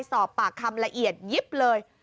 สอบปากคำละเอียดยิบเลย